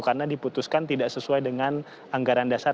karena diputuskan tidak sesuai dengan anggaran dasar